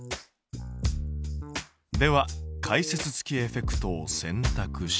では解説付きエフェクトをせんたくして。